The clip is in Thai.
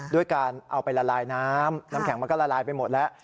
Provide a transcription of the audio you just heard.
ด้วยการเอาไปละลายน้ำน้ำแข็งมันก็ละลายไปหมดแล้ว